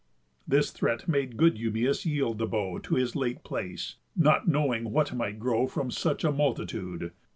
This threat made good Eumæus yield the bow To his late place, not knowing what might grow From such a multitude.